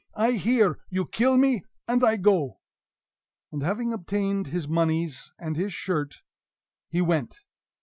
I hear! You kill me! and I go!" And, having obtained his "moneys" and his shirt, he went.